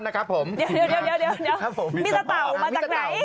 เดี๋ยวมีตะเต่ามาจากไหน